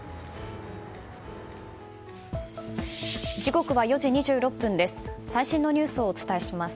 時刻は４時２６分です。